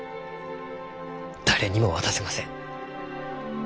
誰にも渡せません。